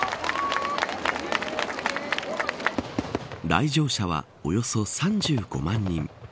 来場者はおよそ３５万人。